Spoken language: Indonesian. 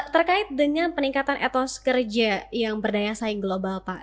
terkait dengan peningkatan etos kerja yang berdaya saing global pak